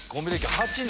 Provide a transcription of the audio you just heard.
８年。